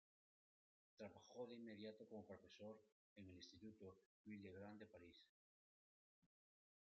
Trabajó de inmediato como profesor en el instituto Louis-le-Grand de París.